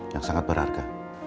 yang sangat berharga